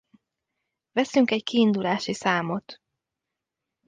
Veszünk egy kiindulási számot.